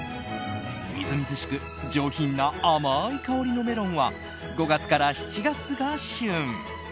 みずみずしく上品な甘い香りのメロンは５月から７月が旬。